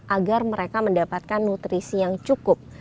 agar mereka mendapatkan nutrisi yang cukup